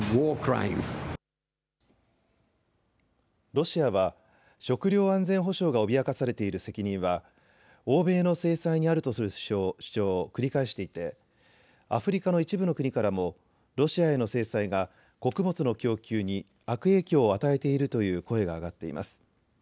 ロシアは食料安全保障が脅かされている責任は欧米の制裁にあるとする主張を繰り返していてアフリカの一部の国からもロシアへの制裁が穀物の供給に悪影響を与えているという声が上がっています。